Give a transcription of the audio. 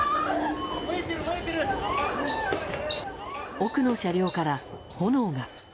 奥の車両から炎が。